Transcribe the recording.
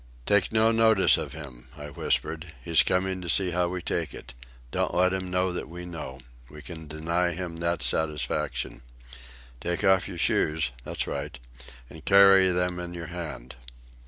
"Take no notice of him," I whispered. "He's coming to see how we take it. Don't let him know that we know. We can deny him that satisfaction. Take off your shoes—that's right—and carry them in your hand."